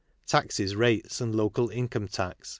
Taxes, Rates and Local Income Tax.